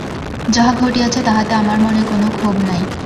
যাহা ঘটিয়াছে তাহাতে আমার মনে কোনো ক্ষোভ নাই।